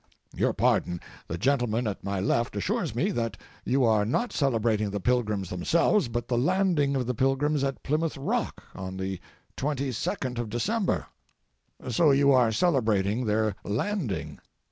Your pardon: the gentleman at my left assures me that you are not celebrating the Pilgrims themselves, but the landing of the Pilgrims at Plymouth rock on the 22d of December. So you are celebrating their landing.